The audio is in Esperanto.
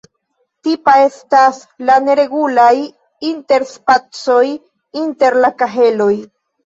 Tipa estas la neregulaj interspacoj inter la kaheloj.